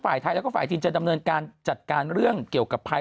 ฝ่ายไทยแล้วก็ฝ่ายจีนจะดำเนินการจัดการเรื่องเกี่ยวกับภัย